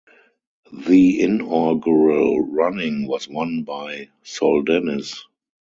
The inaugural running was won by Soldennis.